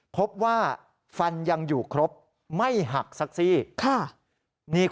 พบว่าฟันยังอยู่ครบไม่หักสักซี่